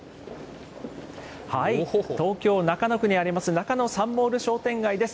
東京・中野区にあります、中野サンモール商店街です。